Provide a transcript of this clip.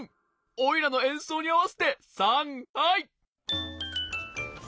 おいらのえんそうにあわせてさんはい！